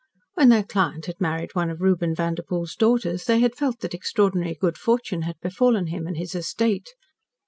When their client had married one of Reuben Vanderpoel's daughters, they had felt that extraordinary good fortune had befallen him and his estate.